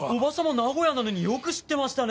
名古屋なのによく知ってましたね。